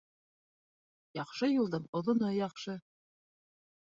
Яҡшы юлдың оҙоно яҡшы